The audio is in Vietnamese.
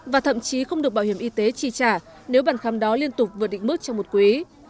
và thậm chí không được bảo hiểm y tế chi trả nếu bàn khám đó liên tục vượt định mức trong một quý